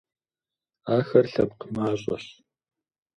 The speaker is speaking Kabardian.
Ахэр лъэпкъ мащӀэщ.